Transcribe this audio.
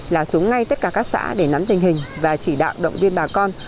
là xuống ngay tất cả các xã để nắm tình hình và chỉ đạo động viên bà con